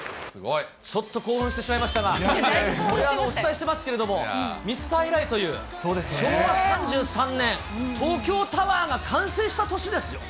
ちょっと興奮してしまいましたが、お伝えしてますけれども、ミスター以来という、昭和３３年、そのとき以来？